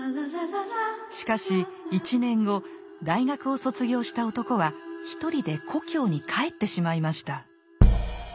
しかし１年後大学を卒業した男は一人で故郷に帰ってしまいました。